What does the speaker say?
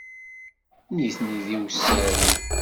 Nitni d iwessaren.